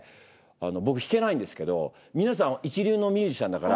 僕弾けないんですけど皆さん一流のミュ―ジシャンだから。